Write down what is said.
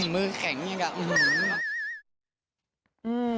มือแข็งกันกับอัลทอนี